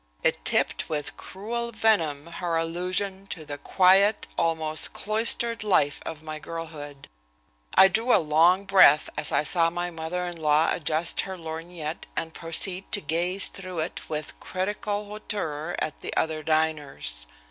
It tipped with cruel venom her allusion to the quiet, almost cloistered life of my girlhood. I drew a long breath as I saw my mother in law adjust her lorgnette and proceed to gaze through it with critical hauteur at the other diners.